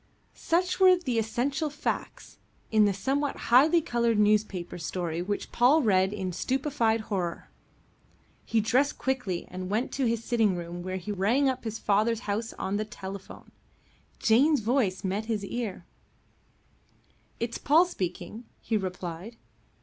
Such were the essential facts in the somewhat highly coloured newspaper story which Paul read in stupefied horror. He dressed quickly and went to his sitting room, where he rang up his father's house on the telephone. Jane's voice met his ear. "It's Paul speaking," he replied.